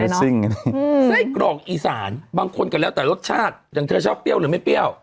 ไส้กรอกอีสานบางคนก็แล้วแต่รสชาติอย่างเธอชอบเปรี้ยวหรือไม่เปรี้ยว